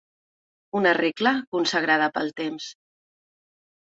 Una regla consagrada pel temps.